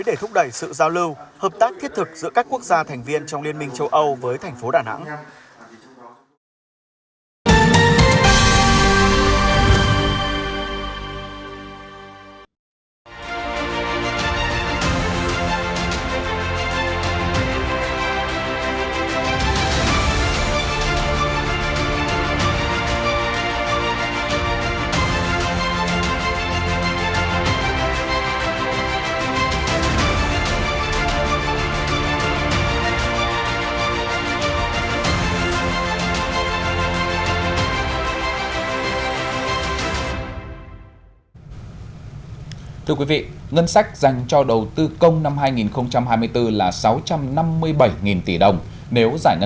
để thúc đẩy sự giao lưu hợp tác thiết thực giữa các quốc gia thành viên trong liên minh châu âu với thành phố đà nẵng